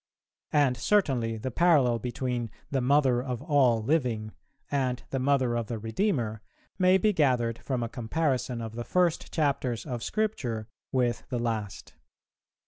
And certainly the parallel between "the Mother of all living" and the Mother of the Redeemer may be gathered from a comparison of the first chapters of Scripture with the last.